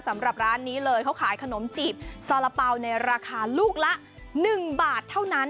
สำหรับร้านนี้เลยเขาขายขนมจีบซาระเป๋าในราคาลูกละ๑บาทเท่านั้น